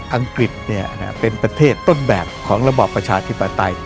อังกฤษเป็นประเทศต้นแบบของระบอบประชาธิปไตย